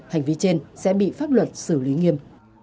hành vi trên sẽ bị pháp luật xử lý nghiêm